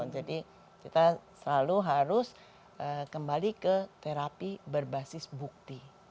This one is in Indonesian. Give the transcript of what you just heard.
jadi kita selalu harus kembali ke terapi berbasis bukti